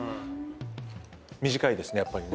短いですねやっぱりね。